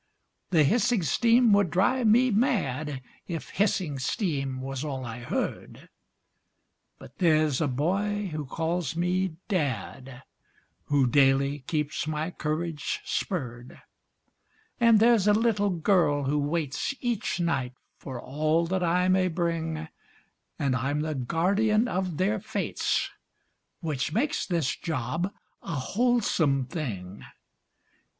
The hissing steam would drive me mad If hissing steam was all I heard; But there's a boy who calls me dad Who daily keeps my courage spurred; And there's a little girl who waits Each night for all that I may bring, And I'm the guardian of their fates, Which makes this job a wholesome thing.